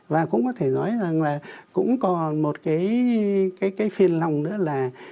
và cũng có thể nói rằng là cũng còn một cái phiên lòng nữa là